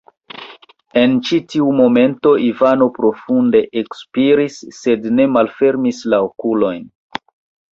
En ĉi-tiu momento Ivano profunde ekspiris, sed ne malfermis la okulojn.